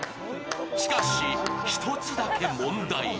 しかし、１つだけ問題が。